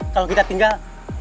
kalau kita tinggal